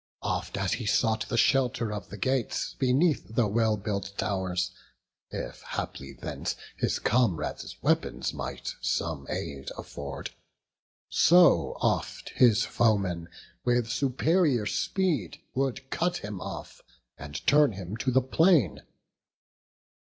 Oft as he sought the shelter of the gates Beneath the well built tow'rs, if haply thence His comrades' weapons might some aid afford; So oft his foeman, with superior speed, Would cut him off, and turn him to the plain.